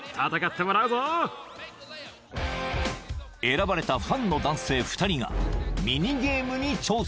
［選ばれたファンの男性２人がミニゲームに挑戦］